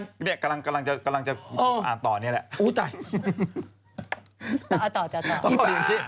เนี่ยกำลังจะอ่านต่อนี้แหละ